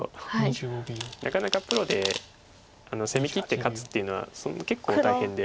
なかなかプロで攻めきって勝つというのは結構大変で。